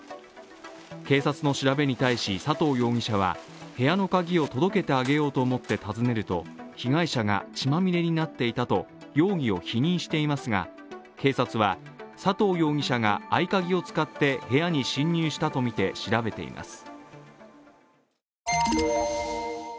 警察の調べに対し佐藤容疑者は部屋の鍵を届けてあげようと思って訪ねると被害者が血まみれになっていたと容疑を否認していますが、警察は佐藤容疑者が合鍵を使って部屋に侵入したとみて調べています。